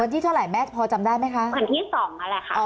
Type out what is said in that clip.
ที่เท่าไหร่แม่พอจำได้ไหมคะวันที่๒นั่นแหละค่ะ